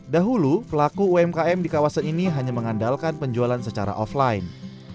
dahulu pelaku umkm di kawasan ini hanya mengandalkan penjualan secara offline